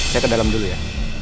saya ke dalam dulu ya